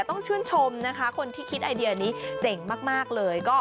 ต้องชื่นชมนะคะคนที่คิดไอเดียนี้เจ๋งมากเลย